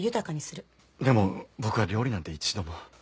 でも僕は料理なんて一度も。